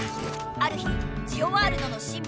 ある日ジオワールドのシンボル